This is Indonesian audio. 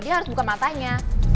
dia harus buka matanya